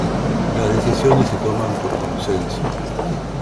Las decisiones se toman por consenso.